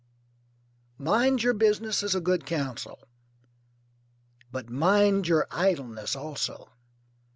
Mind your business is a good counsel; but mind your idleness also.